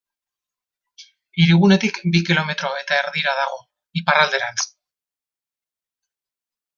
Hirigunetik bi kilometro eta erdira dago, iparralderantz.